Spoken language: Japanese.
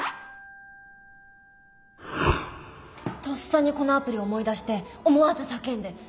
とっさにこのアプリ思い出して思わず叫んで。